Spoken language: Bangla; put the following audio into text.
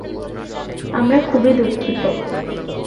আমরা খুবই দুঃখিত।